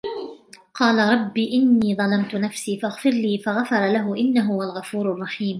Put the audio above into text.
قال رب إني ظلمت نفسي فاغفر لي فغفر له إنه هو الغفور الرحيم